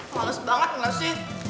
males banget gak sih